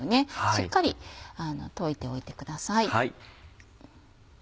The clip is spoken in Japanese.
しっかり溶いておいてください。